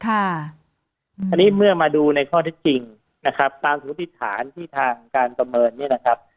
อันนี้เมื่อมาดูในข้อเท็จจริงนะครับตามสมมุติฐานที่ทางการประเมินเนี่ยนะครับ